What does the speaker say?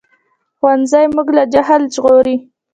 ښوونځی موږ له جهل ژغوري